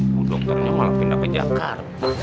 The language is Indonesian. bu dokternya malah pindah ke jakarta